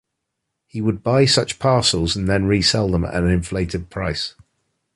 He would buy such parcels and then resell them at an inflated price.